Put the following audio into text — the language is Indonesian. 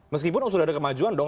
meskipun sudah ada kemajuan dong